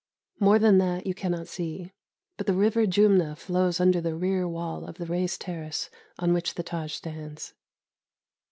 More than that you cannot see, but the river Jumna flows under the rear wall of the raised terrace on which the Tâj stands.